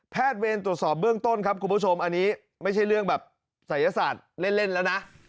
เวรตรวจสอบเบื้องต้นครับคุณผู้ชมอันนี้ไม่ใช่เรื่องแบบศัยศาสตร์เล่นแล้วนะ